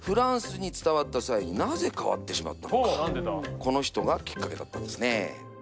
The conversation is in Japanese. この人がきっかけだったんですね。